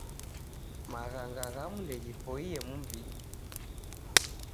Maghanga ghamu ndeghipoie mumbinyi